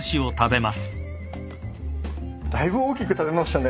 だいぶ大きく食べましたね。